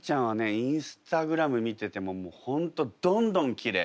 インスタグラム見ててももう本当どんどんきれい。